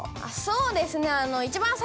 そうですね。